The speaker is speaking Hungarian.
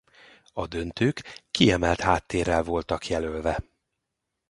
A döntők kiemelt háttérrel voltak jelölve.